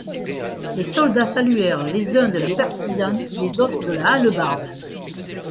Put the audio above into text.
Les soldats saluèrent, les uns de la pertuisane, les autres de la hallebarde.